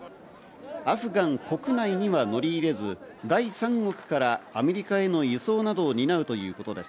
アフガン国内には乗り入れず、第三国からアメリカへの輸送などを担うということです。